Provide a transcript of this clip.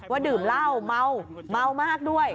ดื่มเหล้าเมาเมามากด้วย